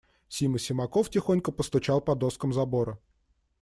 Сима Симаков тихонько постучал по доскам забора.